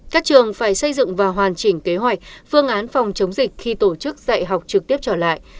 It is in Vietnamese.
các trường phải xây dựng và hoàn chỉnh kế hoạch phương án phòng chống dịch khi tổ chức dạy học trực tiếp trở lại